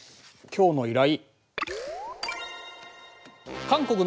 今日の依頼。